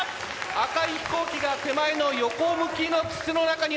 赤い飛行機が手前の横向きの筒の中に入りました。